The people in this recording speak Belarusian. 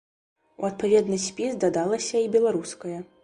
У адпаведны спіс дадалася і беларуская.